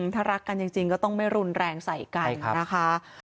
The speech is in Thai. ถ้ารักกันจริงก็ต้องไม่รุนแรงใส่กันนะคะ